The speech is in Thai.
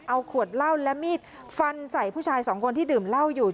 เอาขวดเหล้าและมีดฟันใส่ผู้ชายสองคนที่ดื่มเหล้าอยู่